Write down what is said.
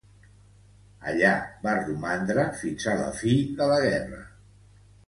Allà va romandre fins a la fi de la guerra.